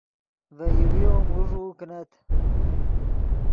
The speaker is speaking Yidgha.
ڤے یوویو موݱوؤ کینت